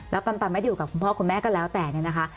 แล้วปันไม่ได้อยู่กับคุณพ่อคุณแม่ก็แล้วแต่เนี่ยนะคะ